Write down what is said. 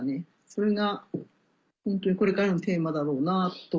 それがホントにこれからのテーマだろうなと。